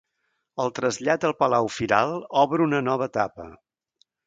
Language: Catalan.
El trasllat al palau firal obre una nova etapa.